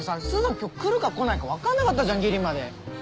今日くるかこないかわかんなかったじゃんギリまで。